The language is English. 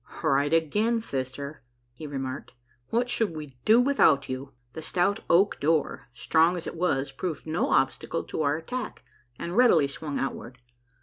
"Right again, sister," he remarked. "What should we do without you?" The stout oak door, strong as it was, proved no obstacle to our attack, and readily swung outward.